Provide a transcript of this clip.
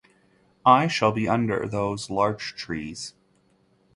I shall be under those larch-trees.